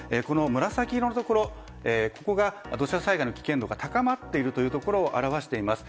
紫色のところここが土砂災害の危険度が高まっているところを表しています。